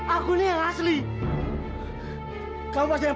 aku sudah berhenti